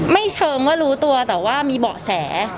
ไม่เชิญว่ารู้ตัวแต่มีเหมาะแส